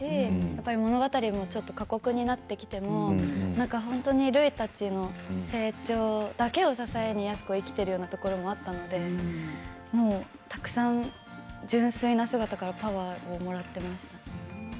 物語も過酷になってきてもるいたちの成長だけを支えに安子は生きているようなところもあったのでたくさん純粋な姿からパワーをもらっていました。